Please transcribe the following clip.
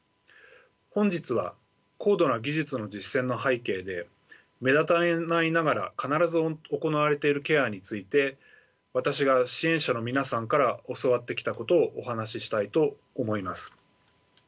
本日は高度な技術の実践の背景で目立たないながら必ず行われているケアについて私が支援者の皆さんから教わってきたことをお話ししたいと思います。